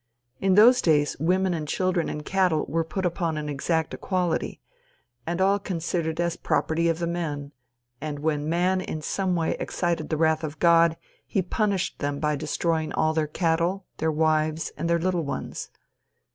In those days women and children and cattle were put upon an exact equality, and all considered as the property of the men; and when man in some way excited the wrath of God, he punished them by destroying all their cattle, their wives, and their little ones.